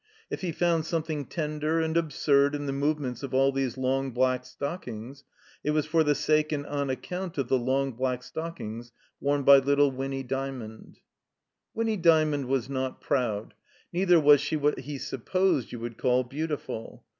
If he found something tender and absurd in the movements of all those long black stockings, it was for the sake and on account of the long black stock ings worn by little Winny Djmiond, Winny Dymond was not proud, neither was she what he supposed you would call beautiful.